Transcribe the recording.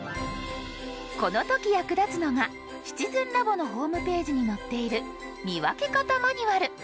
この時役立つのが「シチズンラボ」のホームページに載っている「見分け方マニュアル」。